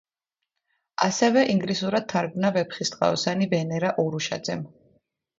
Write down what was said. ასევე ინგლისურად თარგმნა „ვეფხისტყაოსანი“ ვენერა ურუშაძემ.